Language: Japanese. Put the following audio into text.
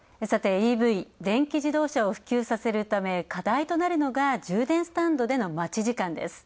ＥＶ＝電気自動車を普及させるため課題となるのが充電スタンドでの待ち時間です。